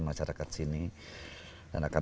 masyarakat sini dan akan